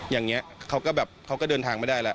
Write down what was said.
อย่างนี้เขาก็เดินทางไม่ได้แล้ว